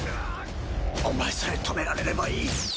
お前さえ止められればいい。